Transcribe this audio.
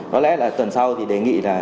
có lẽ là tuần sau thì đề nghị là